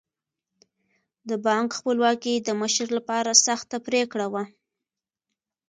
د بانک خپلواکي د مشر لپاره سخته پرېکړه وه.